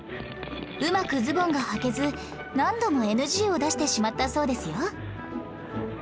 うまくズボンがはけず何度も ＮＧ を出してしまったそうですよ